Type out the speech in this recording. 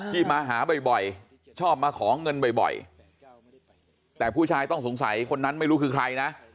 มาหาบ่อยชอบมาขอเงินบ่อยแต่ผู้ชายต้องสงสัยคนนั้นไม่รู้คือใครนะ